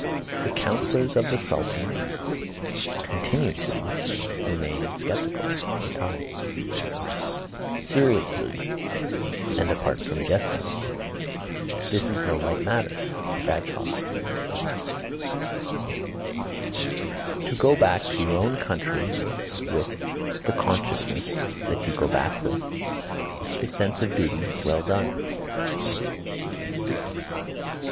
The counsellors of the Sultan (continue to) remain sceptical The Times. Seriously, (and apart from jesting), this is no light matter. Bagehot. To go back to your own country with (the consciousness that you go back with) the sense of duty well done.